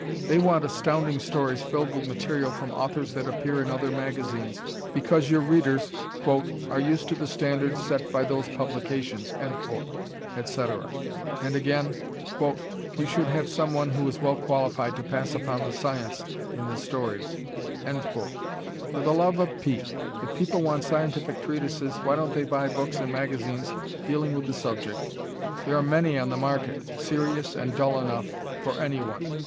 They want Astounding Stories filled with material from authors that appear in other magazines because your readers "are used to the standards set by those publications," etc. And again, "you should have some one who is well qualified to pass upon the science in the stories." For the love of Pete, if people want scientific treatises, why don't they buy books and magazines dealing with the subject? There are many on the market serious and dull enough for anyone.